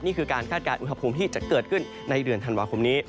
นี่คือการคาดการณ์อุณหภูมิที่จะเกิดขึ้นในเดือนธันวาคมนี้